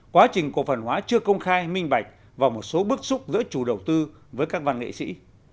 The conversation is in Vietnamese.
quá trình cổ phần hóa chưa công khai minh bạch và một số bức xúc giữa chủ đầu tư với các văn nghệ sĩ